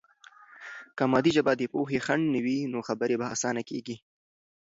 که مادي ژبه د پوهې خنډ نه وي، نو خبرې به آسانه کیږي.